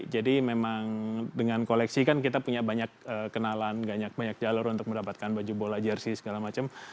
jadi memang dengan koleksi kan kita punya banyak kenalan banyak jalur untuk mendapatkan baju bola jersi segala macam